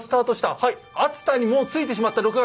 はい熱田にもう着いてしまった６月。